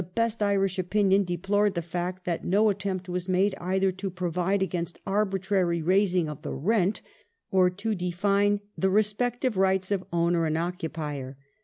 392 THE IRISH QUESTION [1866 Irish opinion deplored the fact that no attempt was made either to provide against arbitrary raising of the rent, or to define the respective rights of owner and occupier.